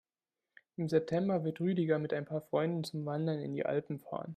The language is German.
Im September wird Rüdiger mit ein paar Freunden zum Wandern in die Alpen fahren.